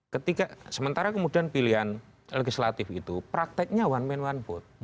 ketika sementara kemudian pilihan legislatif itu prakteknya one man one vote